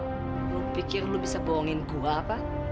diam lu lu pikir lu bisa bohongin gue apa